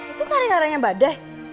itu kare karenya badai